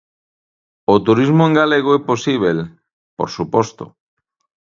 O turismo en galego é posíbel, por suposto.